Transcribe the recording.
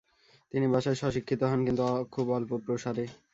তিনি বাসায় স্বশিক্ষিত হন, কিন্তু খুব অল্প প্রসারে।